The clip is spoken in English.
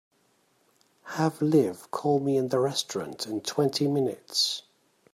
Have Liv call me in the restaurant in twenty minutes.